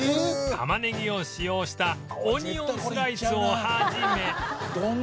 たまねぎを使用したオニオンスライスを始め